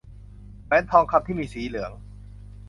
แหวนทองคำที่มีสีเหลือง